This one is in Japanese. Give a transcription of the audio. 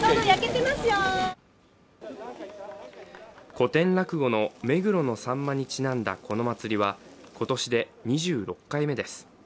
古典落語の目黒のさんまにちなんだ、この祭りは今年で２６回目です。